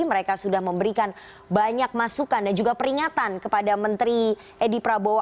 mereka sudah memberikan banyak masukan dan juga peringatan kepada menteri edi prabowo